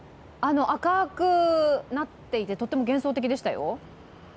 赤くなっていてとても幻想的でしたよ。